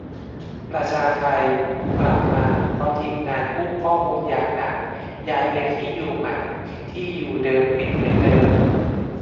ประชาไทกลับมาเพราะทีมงานกู้ข้อมูลอย่างหนัก ย้ายไปที่อยู่ใหม่ ที่อยู่เดิมปิดเหมือนเดิม